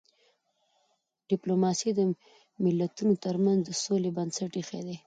ډيپلوماسي د ملتونو ترمنځ د سولي بنسټ ایښی دی.